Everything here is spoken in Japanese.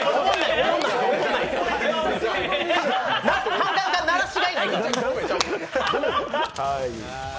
カンカン、鳴らしがいないから。